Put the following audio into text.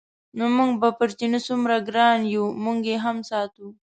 نو موږ به پر چیني څومره ګران یو موږ یې هم ساتو.